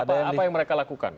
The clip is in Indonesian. apa yang mereka lakukan